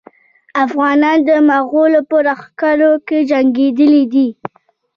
افغانان د مغولو په لښکرو کې جنګېدلي دي.